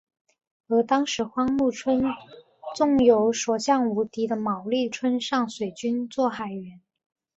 而当时荒木村重有所向无敌的毛利村上水军作海援。